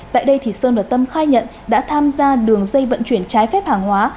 tại đây thì sơn và tâm khai nhận đã tham gia đường dây vận chuyển trái phép hàng hóa